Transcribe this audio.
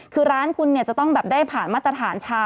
คือร้านคุณเนี่ยจะต้องแบบได้ผ่านมาตรฐานชา